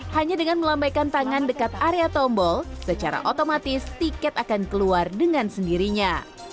hanya dengan melambaikan tangan dekat area tombol secara otomatis tiket akan keluar dengan sendirinya